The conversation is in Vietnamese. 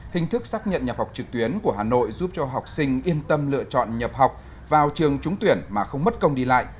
hình thức xác nhận nhập học trực tuyến của hà nội giúp cho học sinh yên tâm lựa chọn nhập học vào trường trúng tuyển mà không mất công đi lại